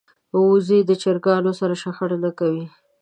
وزې د چرګانو سره شخړه نه کوي